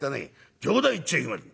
『冗談言っちゃいけません。